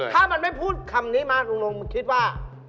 ถ้ามันไม่พูดคำนี้มาลุงลงคิดว่า